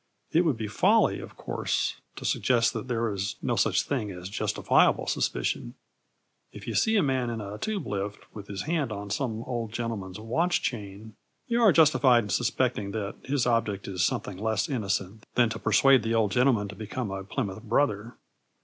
It would be folly, of course, to suggest that there is no such thing as justifiable suspicion. If you see a man in a Tube lift with his hand on some old gentleman's watch chain, you are justified in suspecting that his object is something less innocent than to persuade the old gentleman to become a Plymouth Brother.